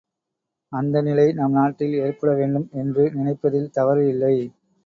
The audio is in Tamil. அந்த நிலை நம் நாட்டில் ஏற்படவேண்டும் என்று நினைப்பதில் தவறு இல்லை.